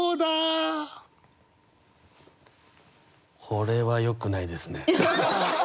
これはよくないですね。